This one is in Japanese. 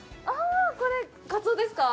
これカツオですか？